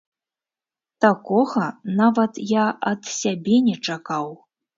Такога нават я ад сябе не чакаў!